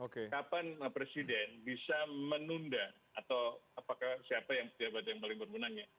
kapan presiden bisa menunda atau apakah siapa yang paling berguna ya